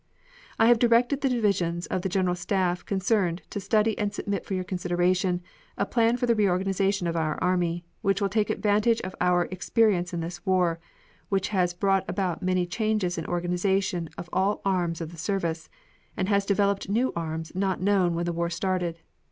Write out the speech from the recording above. I have directed the divisions of the General Staff concerned to study and submit for your consideration a plan for the reorganization of our army, which will take advantage of our experience in this war, which has brought about many changes in organization of all arms of the service, and has developed new arms not known when the war started.